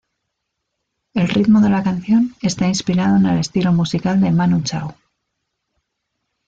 El ritmo de la canción está inspirado en el estilo musical de Manu Chao.